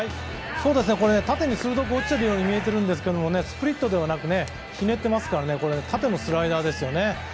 これ、縦に鋭く落ちているように見えるんですけどスプリットではなくひねってますから縦のスライダーですよね。